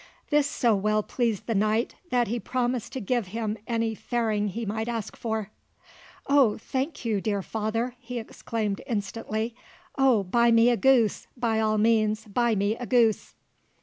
This so well pleased the knight, that he promised to give him any fairing he might ask for. "`Oh, thank you, dear father!' he exclaimed instantly. `Oh, buy me a goose by all means buy me a goose!'